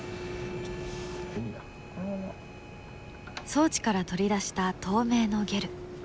装置から取り出した透明のゲル。